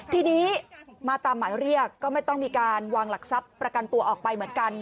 ทีนี้มาตามหมายเรียกก็ไม่ต้องมีการวางหลักทรัพย์ประกันตัวออกไปเหมือนกัน